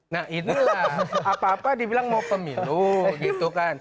nah inilah apa apa dibilang mau pemilu gitu kan